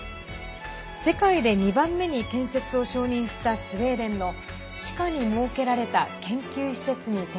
世界で２番目に建設を承認したスウェーデンの地下に設けられた研究施設に迫ります。